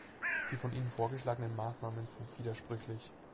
Die von Ihnen vorgeschlagenen Maßnahmen sind widersprüchlich.